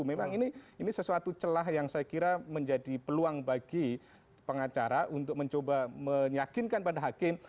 memang ini sesuatu celah yang saya kira menjadi peluang bagi pengacara untuk mencoba meyakinkan pada hakim